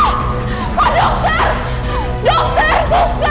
mama nggak pernah se elektronik pa